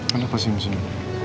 kenapa sih misalnya